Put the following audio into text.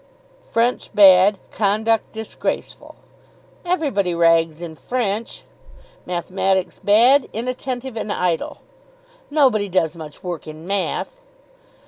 "'French bad; conduct disgraceful '" "Everybody rags in French." "'Mathematics bad. Inattentive and idle.'" "Nobody does much work in Math."